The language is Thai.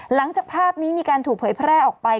หลังจากภาพนี้มีการถูกเผยแพร่ออกไป